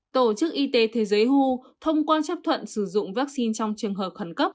tổ chức y tế thế giới who thông quan chấp thuận sử dụng vaccine trong trường hợp khẩn cấp